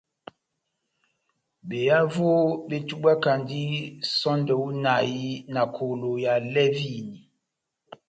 Behavo betubwakandi sɔndɛ hú inahi na kolo ya lɛvini.